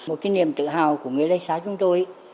một cái niềm tự hào của người đại sát chúng tôi